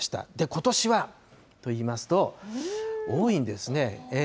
ことしはといいますと、多いんですね。